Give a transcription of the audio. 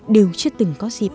đều chưa từng có dịp